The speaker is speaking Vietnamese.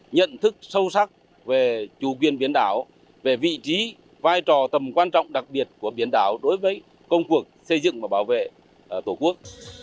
nhận thức sâu sắc về chủ quyền biển đảo về vị trí vai trò tầm quan trọng đặc biệt của biển đảo đối với công cuộc xây dựng và bảo vệ tổ quốc